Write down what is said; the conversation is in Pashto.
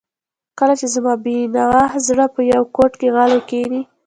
کله چې زما بېنوا زړه په یوه ګوټ کې غلی کښیني.